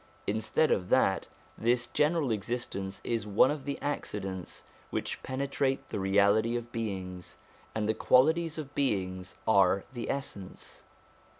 Instead of that, this general existence is one of the accidents which penetrate the reality of beings, and the qualities of beings are the essence.